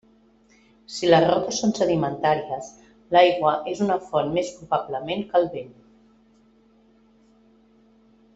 Si les roques són sedimentàries, l'aigua és una font més probablement que el vent.